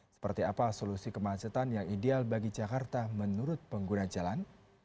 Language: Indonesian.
seperti apa solusi kemacetan yang ideal bagi jakarta menurut pengguna jalan